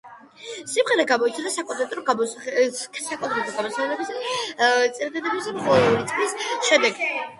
სიმღერა გამოიცა საკონცერტო გამოსვლებზე წარდგენიდან მხოლოდ ორი წლის შემდეგ.